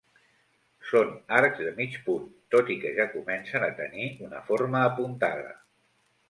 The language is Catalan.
Són arcs de mig punt, tot i que ja comencen a tenir una forma apuntada.